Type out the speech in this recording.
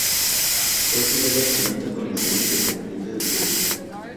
Fue el primer lanzamiento con el sello independiente del grupo.